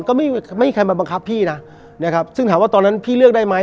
ก็ไม่มีใครมาบังคับพี่นะนะครับซึ่งถามว่าตอนนั้นพี่เลือกได้ไหม